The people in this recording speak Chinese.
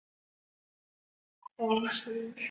蜂须贺氏是日本的氏族。